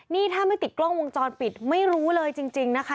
นี่ถ้าไม่ติดกล้องวงจรปิดไม่รู้เลยจริงนะคะ